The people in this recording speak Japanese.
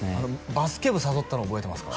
バスケ部誘ったの覚えてますか？